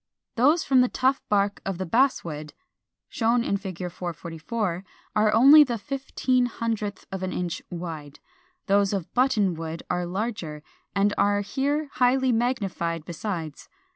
Those from the tough bark of the Basswood, shown in Fig. 444, are only the fifteen hundredth of an inch wide. Those of Buttonwood (Fig. 447) are larger, and are here highly magnified besides.